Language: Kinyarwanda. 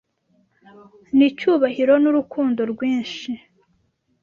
n'icyubahiro n'Urukundo rwinshi